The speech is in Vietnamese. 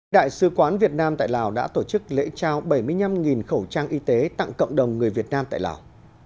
đại sứ quán việt nam tại lào đã tổ chức lễ trao bảy mươi năm khẩu trang y tế tặng cộng đồng người việt nam tại lào